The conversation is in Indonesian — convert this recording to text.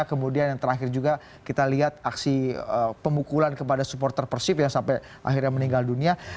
kemudian yang terakhir juga kita lihat aksi pemukulan kepada supporter persib yang sampai akhirnya meninggal dunia